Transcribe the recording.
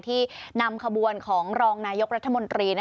ที่นำขบวนของรองนายกรัฐมนตรี